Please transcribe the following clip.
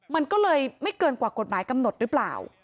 มันก็เลยไม่เกินกว่ากฎหมายกำหนดหรือเปล่า